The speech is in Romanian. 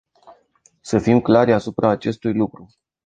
Să fim clari asupra acestui lucru.